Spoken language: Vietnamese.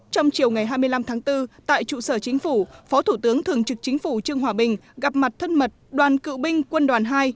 trong chiều ngày hai mươi năm tháng bốn tại trụ sở chính phủ phó thủ tướng thường trực chính phủ trương hòa bình gặp mặt thân mật đoàn cựu binh quân đoàn hai